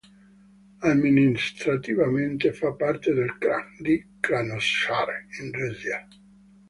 Amministrativamente, fa parte del Kraj di Krasnojarsk, in Russia.